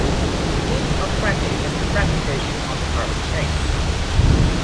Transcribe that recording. The meaning of cracking is the fragmentation of the carbon chain.